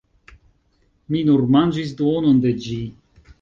Mi nur manĝis duonon de ĝi!